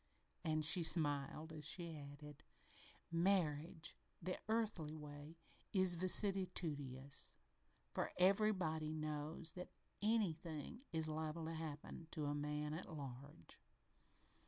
And she smiled as she added: "Marriage, the earthly way, is vicissitudinous, for everybody knows that anything is liable to happen to a man at large."